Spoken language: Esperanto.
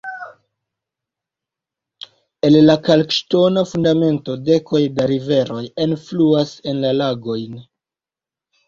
El la kalkŝtona fundamento dekoj da riveroj enfluas en la lagojn.